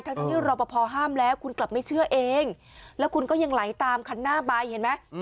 ทั้งที่รอปภห้ามแล้วคุณกลับไม่เชื่อเองแล้วคุณก็ยังไหลตามคันหน้าไปเห็นไหม